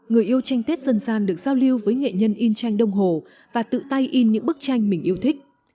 người yêu tranh tết dân gian được giao lưu với nghệ nhân in tranh đông hồ và tự tay in những bức tranh mình yêu thích